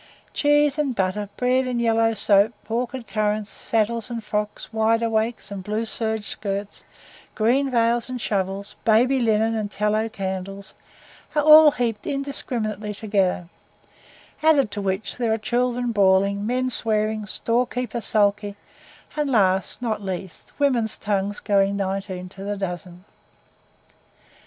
Cheese and butter, bread and yellow soap, pork and currants, saddles and frocks, wide awakes and blue serge shirts, green veils and shovels, baby linen and tallow candles, are all heaped indiscriminately together; added to which, there are children bawling, men swearing, store keeper sulky, and last, not LEAST, women's tongues going nineteen to the dozen.